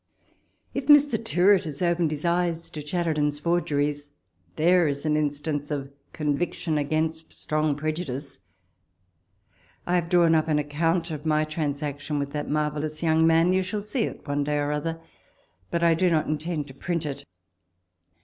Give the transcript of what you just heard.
If Mr. Tyrwhitt has opened his eyes to Chat terton's forgeries, there is an instance of con viction against strong prejudice ! I have drawn up an account of my transaction with that mar vellous young man ; you shall see it one day or other, but I do not intend to print it.